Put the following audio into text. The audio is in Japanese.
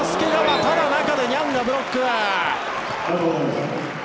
ただ、中でニャンがブロック！